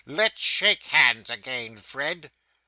Let's shake hands again, Fred.